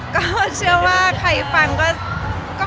ก็เชื่อว่าใครฟังก็